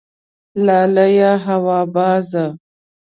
لالیه هوا بازه